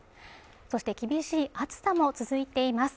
そして厳しい暑さも続いています